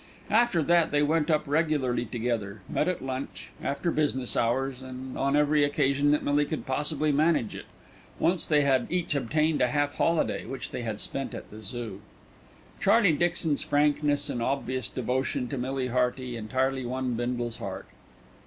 After that they went up regularly together, met at lunch, after business hours and on every occasion that Millie could possibly manage it. Once they had each obtained a half holiday, which they had spent at the Zoo. Charlie Dixon's frankness and obvious devotion to Millie Hearty entirely won Bindle's heart.